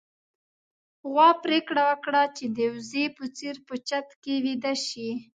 غوا پرېکړه وکړه چې د وزې په څېر په چت کې ويده شي.